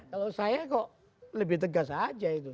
kalau saya kok lebih tegas saja itu